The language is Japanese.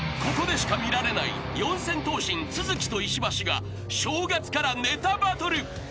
［ここでしか見られない四千頭身都築と石橋が正月からネタバトル］